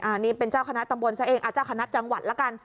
อันนี้เป็นเจ้าคณะตำบลซะเองอ่ะเจ้าคณะจังหวัดละกัน